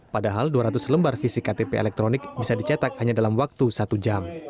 padahal dua ratus lembar fisik ktp elektronik bisa dicetak hanya dalam waktu satu jam